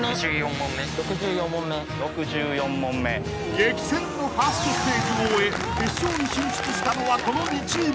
［激戦のファーストステージを終え決勝に進出したのはこの２チーム］